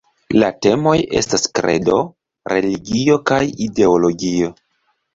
La temoj estas kredo, religio kaj ideologio.